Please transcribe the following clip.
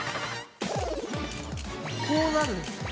◆こうなるんですよね。